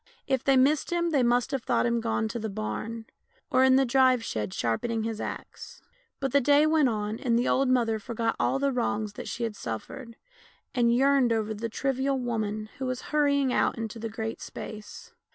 If they missed him they must have thought him gone to the barn, or in the drive shed sharpening his axe. But the day went on and the old mother forgot all the wrongs that she had suffered, and yearned over the trivial woman who was hurrying out into the Great Space.